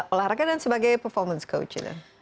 olahraga dan sebagai performance coach